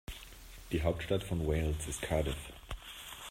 Die Hauptstadt von Wales ist Cardiff.